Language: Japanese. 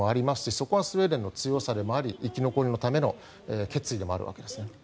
そこはスウェーデンの強さでもあり生き残りのための決意でもあるわけです。